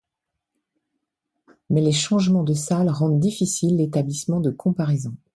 Mais les changements de salles rendent difficile l'établissement de comparaisons.